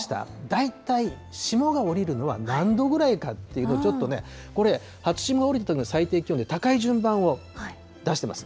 大体、霜が降りるのは何度ぐらいかというのを、ちょっとね、これ、初霜降りたときの最低気温で高い順番を出してます。